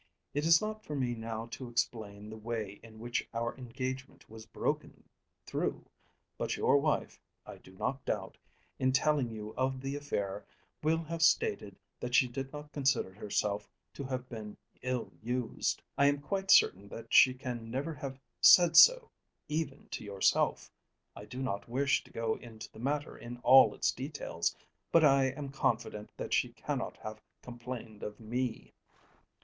It is not for me now to explain the way in which our engagement was broken through, but your wife, I do not doubt, in telling you of the affair, will have stated that she did not consider herself to have been ill used. I am quite certain that she can never have said so even to yourself. I do not wish to go into the matter in all its details, but I am confident that she cannot have complained of me.